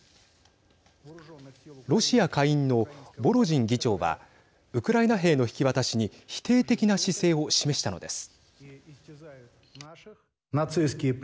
ロシア下院のボロジン議長はウクライナ兵の引き渡しに否定的な姿勢を示したのです。